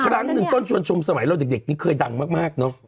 ครั้งหนึ่งต้นชวนชมสมัยเราเด็กนี่เคยดังมากเนอะ